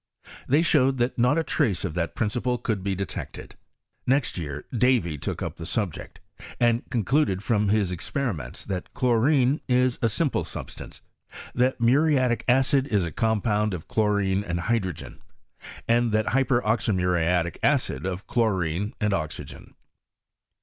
They showed that not a trace of that principle could be detected. Next year Davy to<dt up the subject and concluded from his experiments that chlorine is a simple substance, that muriatic acid is a compound of chlorine and hydrogen, and hyper oxymuriatic acid of chlorine and oxygen.